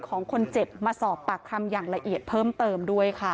ของคนเจ็บมาสอบปากคำอย่างละเอียดเพิ่มเติมด้วยค่ะ